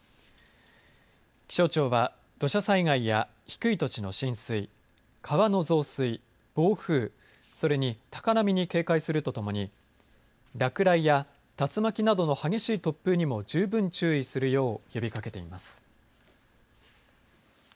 気象庁は土砂災害や低い土地の浸水川の増水、暴風それに高波に警戒するとともに落雷や竜巻などの激しい突風にも十分注意するよう呼びかけています。